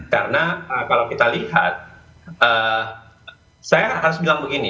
karena kalau kita lihat saya harus bilang begini